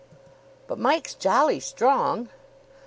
"But Mike's jolly strong."